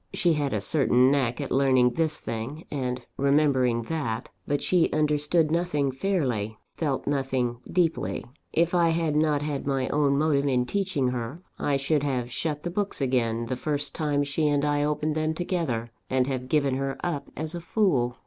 She had a certain knack at learning this thing, and remembering that; but she understood nothing fairly, felt nothing deeply. If I had not had my own motive in teaching her, I should have shut the books again, the first time she and I opened them together, and have given her up as a fool.